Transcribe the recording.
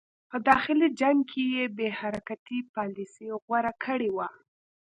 په داخلي جنګ کې یې بې حرکتي پالیسي غوره کړې وه.